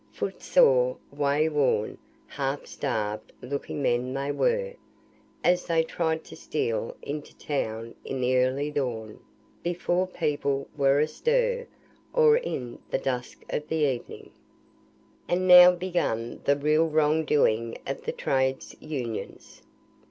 Foot sore, way worn, half starved looking men they were, as they tried to steal into town in the early dawn, before people were astir, or late in the dusk of evening. And now began the real wrong doing of the Trades' Unions.